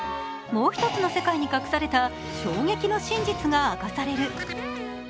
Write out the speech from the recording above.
もう１つの世界に隠された衝撃の真実が明かされる。